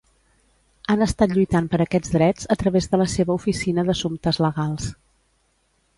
Han estat lluitant per aquests drets a través de la seva Oficina d'Assumptes Legals.